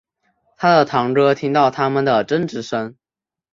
他的堂哥听到他们的争执声